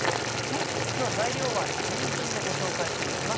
今日材料は４人分でご紹介していきます。